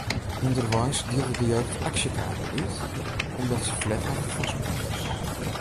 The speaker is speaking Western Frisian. Underweis dielde de jeugd aksjekaarten út omdat se ferlet hawwe fan sponsors.